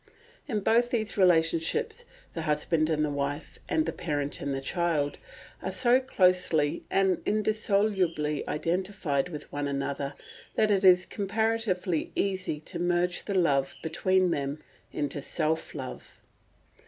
In both these relationships, the husband and wife and the parent and child are so closely and indissolubly identified with one another that it is comparatively easy to merge the love between them into self love.